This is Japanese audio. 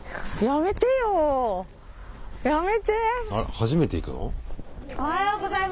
初めて行くの？